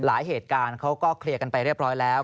เหตุการณ์เขาก็เคลียร์กันไปเรียบร้อยแล้ว